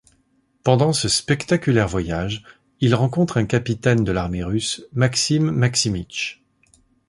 Pendant ce spectaculaire voyage, il rencontre un capitaine de l'armée russe, Maxime Maximytch.